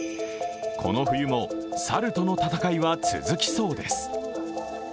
この冬も、猿との戦いは続きそうです。